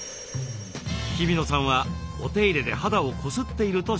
日比野さんはお手入れで肌をこすっていると指摘。